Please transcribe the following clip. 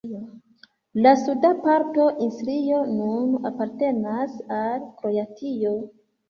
La suda parto Istrio nun apartenas al Kroatio.